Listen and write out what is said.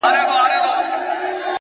ستا شاعرۍ ته سلامي كومه،